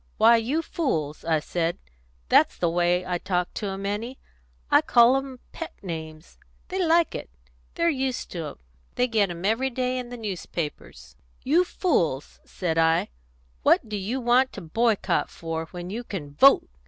'Why, you fools,' said I that's the way I talk to 'em, Annie; I call 'em pet names; they like it; they're used to 'em; they get 'em every day in the newspapers 'you fools,' said I, 'what do you want to boycott for, when you can vote?